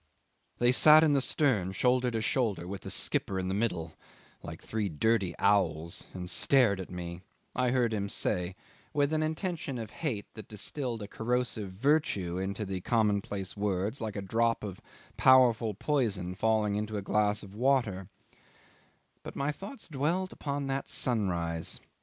'"They sat in the stern shoulder to shoulder, with the skipper in the middle, like three dirty owls, and stared at me," I heard him say with an intention of hate that distilled a corrosive virtue into the commonplace words like a drop of powerful poison falling into a glass of water; but my thoughts dwelt upon that sunrise.